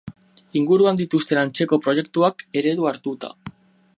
Inguruan dituzten antzeko proiektuak eredu hartuta.